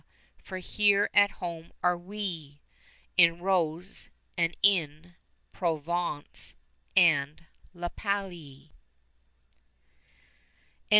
for here at home are we: 45 In, Rose, and in, Provence and La Palie.